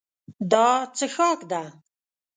دا څښاک ده.